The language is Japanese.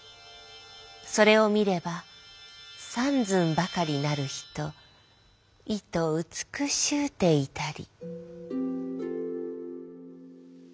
それを見れば三寸ばかりなる人いと美しうてゐたり」。